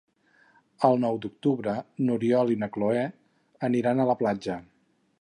El nou d'octubre n'Oriol i na Cloè aniran a la platja.